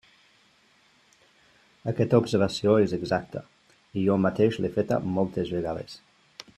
Aquesta observació és exacta, i jo mateix l'he feta moltes vegades.